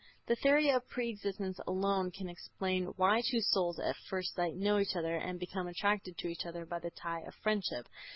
The theory of pre existence alone can explain why two souls at first sight know each other and become attached to each other by the tie of friendship.